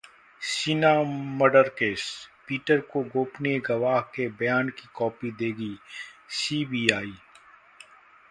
Sheena murder case: Peter को गोपनीय गवाह के बयान की कॉपी देगी सीबीआई